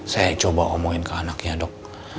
saya coba omongin ke anaknya dok